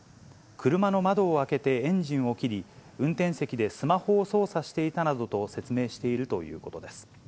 車の窓を開けてエンジンを切り、運転席でスマホを操作していたなどと説明しているということです。